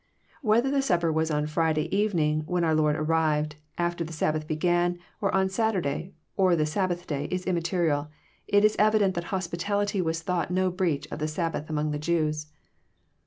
— Whether the supper was on Friday evening, when our Lord arrived, after the Sabbath began, or on the Saturday, or the Sabbath Day, is immaterial. It Is evident that hospitality was thought no breach of the Sabbath among the Jews.